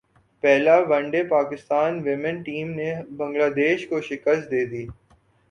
پہلا one day Pakistan women team نے Bangladesh کو شکست دے دی